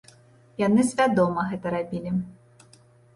Яны свядома гэта рабілі.